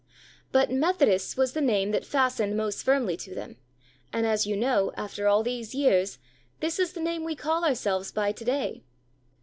But "Methodists" was the name that fastened most firmly to them, and, as you know, after all these years, this is the name we call ourselves by to day.